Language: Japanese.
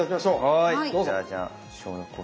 はい。